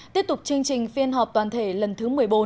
tiếp tục chương trình phiên họp toàn thể lần thứ một mươi bốn